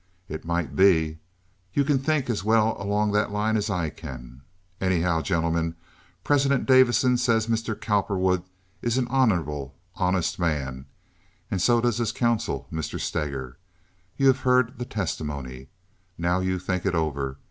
It might be. You can think as well along that line as I can. Anyhow, gentlemen, President Davison says Mr. Cowperwood is an honorable, honest man, and so does his counsel, Mr. Steger. You have heard the testimony. Now you think it over.